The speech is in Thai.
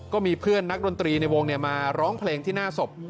ก็มีเพื่อนนักดนตรีในวงมาร้องเพลงที่หน้าศพ